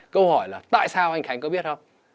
câu hỏi là tại sao anh khánh có biết không